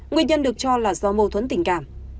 nguyên nhân được cho là do mâu thuẫn tình cảm